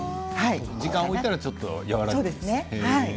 時間を置いたらちょっと和らぐんですね。